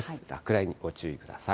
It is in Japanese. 落雷にご注意ください。